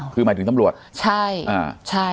คือหมายถึงตำรวจ